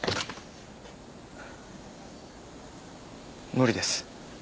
無理です。